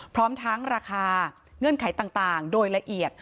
พร้อมทั้งราคาเงื่อนไขต่างโดยละเอียด